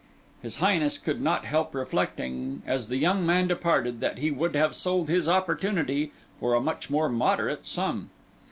His Highness could not help reflecting, as the young man departed, that he would have sold his opportunity for a much more moderate sum.